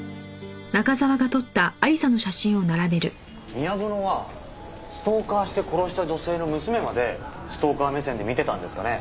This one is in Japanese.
宮園はストーカーして殺した女性の娘までストーカー目線で見てたんですかね？